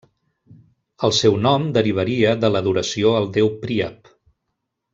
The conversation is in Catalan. El seu nom derivaria de l'adoració al déu Príap.